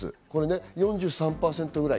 ４３％ぐらい。